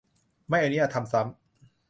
ไม่อนุญาตทำซ้ำ